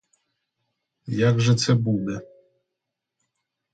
Як же це буде?